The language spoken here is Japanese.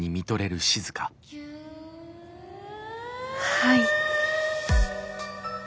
はい。